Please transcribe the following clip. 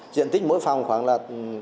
diện tích mỗi phòng khoảng là